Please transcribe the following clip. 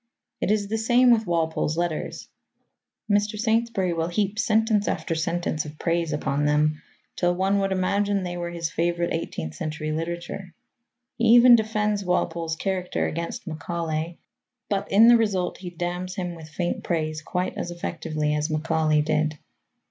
It is the same with Walpole's letters. Mr. Saintsbury will heap sentence after sentence of praise upon them, till one would imagine they were his favourite eighteenth century literature. He even defends Walpole's character against Macaulay, but in the result he damns him with faint praise quite as effectively as Macaulay did.